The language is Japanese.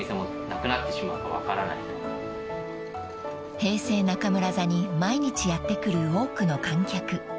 ［平成中村座に毎日やって来る多くの観客］